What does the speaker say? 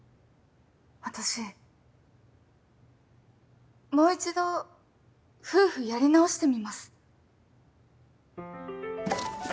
私もう一度夫婦やり直してみます。